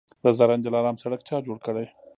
د زرنج دلارام سړک چا جوړ کړ؟